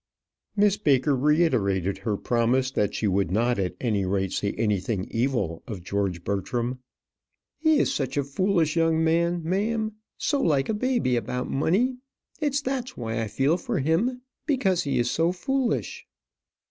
Miss Baker reiterated her promise that she would not at any rate say anything evil of George Bertram. "He is such a foolish young man, ma'am; so like a baby about money. It's that's why I feel for him, because he is so foolish."